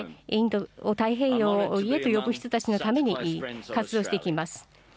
そしてインド太平洋を家と呼ぶ人たちのために活動していきます。